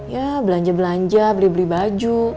ya belanja belanja beli beli baju